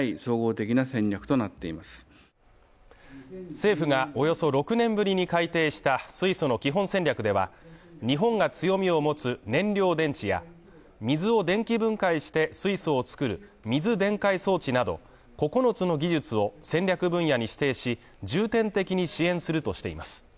政府がおよそ６年ぶりに改定した水素の基本戦略では、日本が強みを持つ燃料電池や、水を電気分解して水素を作る水電解装置など９つの技術を戦略分野に指定し、重点的に支援するとしています。